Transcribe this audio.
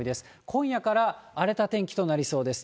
今夜から荒れた天気となりそうです。